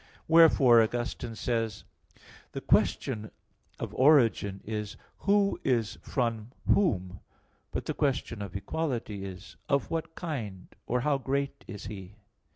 Wherefore Augustine says (Contra Maxim. iii, 13), "The question of origin is, Who is from whom? but the question of equality is, Of what kind, or how great, is he?"